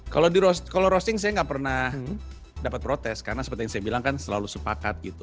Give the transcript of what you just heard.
kalau roasting saya nggak pernah dapat protes karena seperti yang saya bilang kan selalu sepakat gitu